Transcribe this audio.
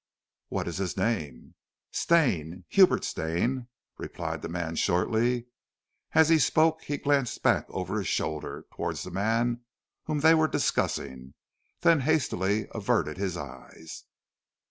"What is his name?" "Stane Hubert Stane!" replied the man shortly. As he spoke he glanced back over his shoulder towards the man whom they were discussing, then hastily averted his eyes.